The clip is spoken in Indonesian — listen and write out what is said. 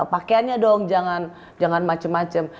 pakaiannya dong jangan macem macem